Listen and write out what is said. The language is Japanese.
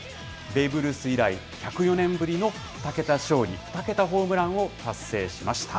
ベーブ・ルース以来、１０４年ぶりの２桁勝利２桁ホームランを達成しました。